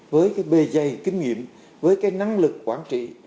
với bề dày kinh nghiệm với năng lực quản trị